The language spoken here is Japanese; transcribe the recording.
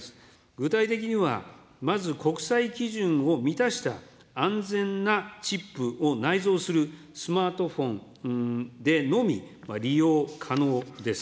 具体的には、まず国際基準を満たした安全なチップを内蔵するスマートフォンでのみ利用可能です。